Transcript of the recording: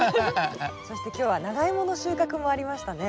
そして今日はナガイモの収穫もありましたね。